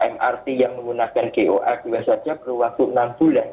mrt yang menggunakan goa dua saja perlu waktu enam bulan